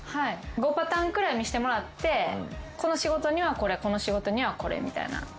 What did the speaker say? ５パターンくらい見してもらってこの仕事にはこれこの仕事にはこれみたいな。